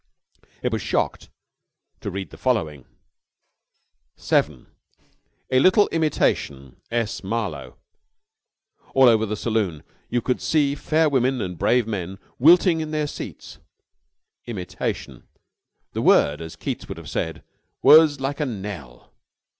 It was shocked to read the following: 7. A Little Imitation......S. Marlowe All over the saloon you could see fair women and brave men wilting in their seats. Imitation...! The word, as Keats would have said, was like a knell!